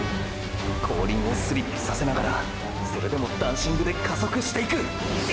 後輪をスリップさせながらそれでもダンシングで加速していく！！